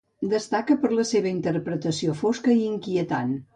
Destaca per la seva interpretació fosca i inquietant.